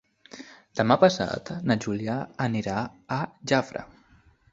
Demà passat na Júlia anirà a Jafre.